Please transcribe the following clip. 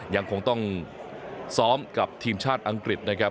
ยังคงต้องซ้อมกับทีมชาติอังกฤษนะครับ